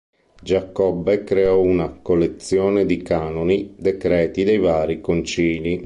Giacobbe creò una “collezione di canoni”, decreti dei vari concili.